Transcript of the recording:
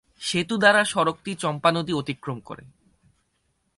সেতু দ্বারা সড়কটি চম্পা নদী অতিক্রম করে।